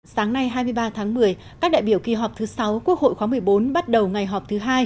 sáng nay hai mươi ba tháng một mươi các đại biểu kỳ họp thứ sáu quốc hội khóa một mươi bốn bắt đầu ngày họp thứ hai